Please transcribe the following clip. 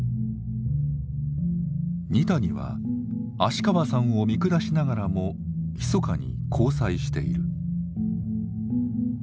二谷は芦川さんを見下しながらもひそかに交際している。